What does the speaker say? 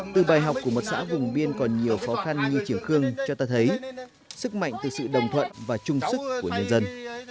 từ bài học của một xã vùng biên còn nhiều khó khăn như chiều khương cho ta thấy sức mạnh từ sự đồng thuận và trung sức của nhân dân